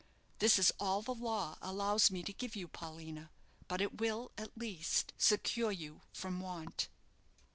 This is all the law allows me to give you, Paulina; but it will, at least, secure you from want."